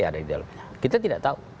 ada di dalamnya kita tidak tahu